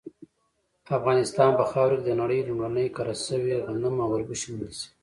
افغانستان په خاوره کې د نړۍ لومړني کره شوي غنم او وربشې موندل شوي